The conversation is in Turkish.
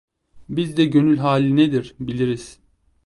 Biz de gönül hali nedir biliriz.